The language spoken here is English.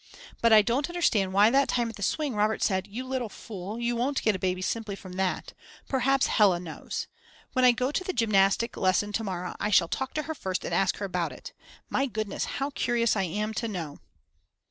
But I don't understand why that time at the swing Robert said: You little fool, you wont get a baby simply from that. Perhaps Hella knows. When I go to the gymnastic lesson to morrow I shall talk to her first and ask her about it. My goodness how curious I am to know.